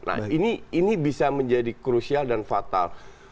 nah ini bisa menjadi krusial dan fatal